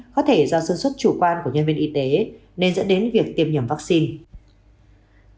có thể do sơ xuất chủ quan của nhân viên y tế nên dẫn đến việc tiêm nhầm vaccine